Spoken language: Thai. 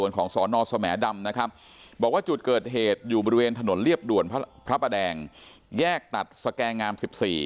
บอกว่าจุดเกิดเหตุอยู่บริเวณถนนเรียบด่วนพระปะแดงแยกตัดสแกงงามสิบสี่